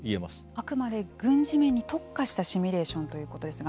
あくまで軍事面に特化したシミュレーションということですが。